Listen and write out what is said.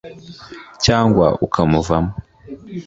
cyangwa ukamuvamo